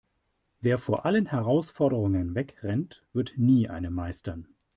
Wer vor allen Herausforderungen wegrennt, wird nie eine meistern.